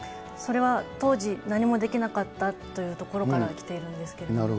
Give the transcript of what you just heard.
それは当時、何もできなかったというところからきているんですけれども。